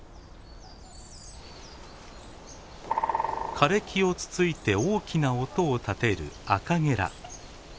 枯れ木をつついて大きな音を立てるアカゲラ。